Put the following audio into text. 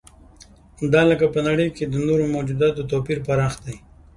دا لکه په نړۍ کې د نورو موجودو توپیرونو پراخ دی.